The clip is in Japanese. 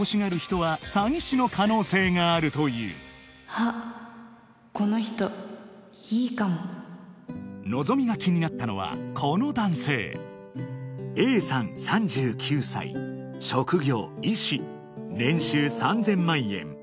残したくないから望美が気になったのはこの男性Ａさん３９歳職業医師年収３０００万円